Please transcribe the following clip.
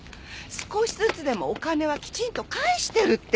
少しずつでもお金はきちんと返してるっていうのに。